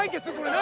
何？